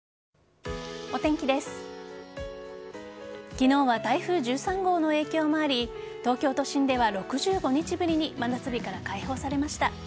昨日は、台風１３号の影響もあり東京都心では６５日ぶりに真夏日から解放されました。